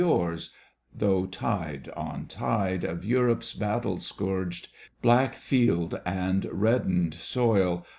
»pri» : tbaiigh tide 4» t»<fe Of Europe's battle scom^ged Black field and reddened soil.